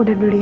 udah dulu ya